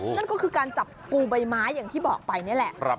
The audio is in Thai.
นั่นก็คือการจับปูใบไม้อย่างที่บอกไปนี่แหละ